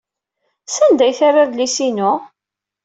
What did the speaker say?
Sanda ay terra adlis-inu?